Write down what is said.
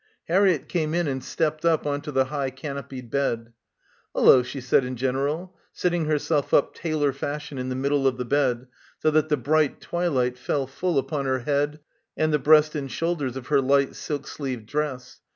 Harriett came in and stepped up on to the high canopied bed. "Ullo," she said in general, sitting herself up tailor fashion in the middle of the bed so that the bright twilight fell — 212 — BACKWATER full upon her head and die breast and shoulders of her light silk sleeved dress.